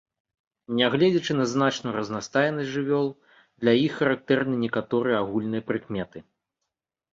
Нягледзячы на значную разнастайнасць жывёл, для іх характэрны некаторыя агульныя прыкметы.